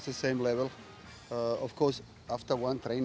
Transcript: tentu saja setelah satu latihan